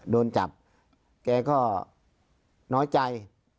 โดนจับแกก็น้อยใจ